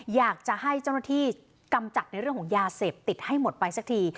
อยากจะให้เจ้าหน้าที่กำจัดในเรื่องของยาเสพติดให้หมดไปสักที